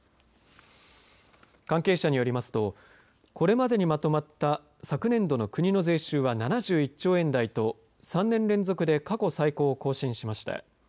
関係者によりますとこれまでにまとまった昨年度の国の税収は７１兆円台と３年連続で過去最高を更新しました。